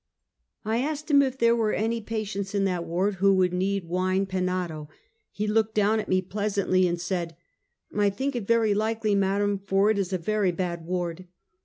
I asked him if tliere were any patients in that ward who would need wine penado. He looked down at me, pleasantly, and said: " I think it very likely, madam, for it is a very bad ward."